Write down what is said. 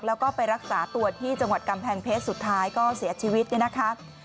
แล้วก็ไปรักษาตัวที่จังหวัดกำแพงเพชรสุดท้ายก็เสียชีวิตเนี่ยนะคะ